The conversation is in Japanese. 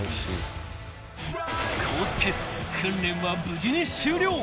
［こうして訓練は無事に終了］